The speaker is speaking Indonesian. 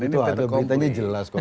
itu ada beritanya jelas kok